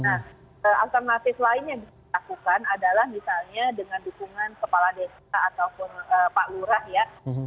nah alternatif lain yang bisa dilakukan adalah misalnya dengan dukungan kepala desa ataupun pak lurah ya